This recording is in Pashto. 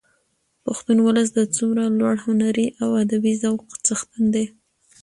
پښتون ولس د څومره لوړ هنري او ادبي ذوق څښتن دي.